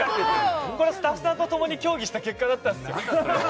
スタッフさんと共に協議した結果だったんですよ。